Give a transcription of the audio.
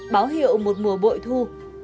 báo hiệu một mùa bội thu